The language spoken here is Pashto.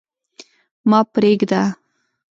ما پرېږده.